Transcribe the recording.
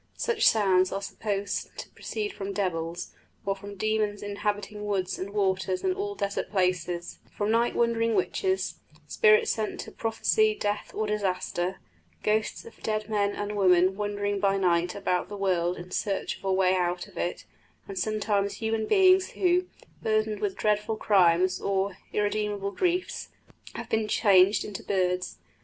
Such sounds are supposed to proceed from devils, or from demons inhabiting woods and waters and all desert places; from night wandering witches; spirits sent to prophesy death or disaster; ghosts of dead men and women wandering by night about the world in search of a way out of it; and sometimes human beings who, burdened with dreadful crimes or irremediable griefs, have been changed into birds.